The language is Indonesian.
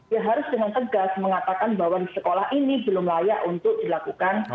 ya harus dengan tegas mengatakan bahwa di sekolah ini belum layak untuk dilakukan